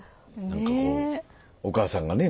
何かこうお母さんがね